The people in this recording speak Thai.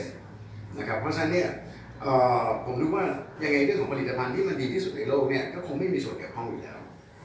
เพราะฉะนั้นผมรู้ว่ายังไงของผลิตภัณฑ์ที่มันดีที่สุดในโลกโดยังคงไม่มีส่วนแก่ภาพอีกแล้ว